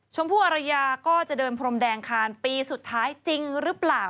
ผู้อรยาก็จะเดินพรมแดงคานปีสุดท้ายจริงหรือเปล่า